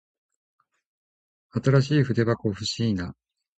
新しい筆箱欲しいな。